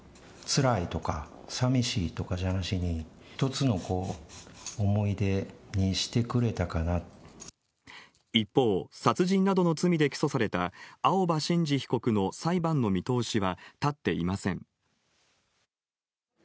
つらいとか、さみしいとかじゃなしに、一方、殺人などの罪で起訴された青葉真司被告の裁判の見通しは立っていません。